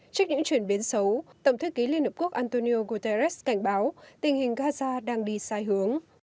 trước những chuyển biến xấu tổng thư ký liên hợp quốc antonio guterres cảnh báo tình hình gaza đang đi sai hướng